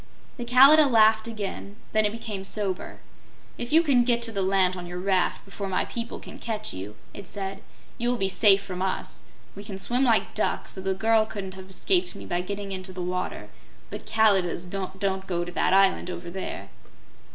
The Kalidah laughed again; then it became sober. "If you get to the land on your raft before my people can catch you," it said, "you will be safe from us. We can swim like ducks, so the girl couldn't have escaped me by getting into the water; but Kalidahs don't go to that island over there."